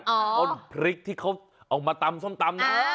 ต้นพริกที่เขาเอามาตำส้มตำนะ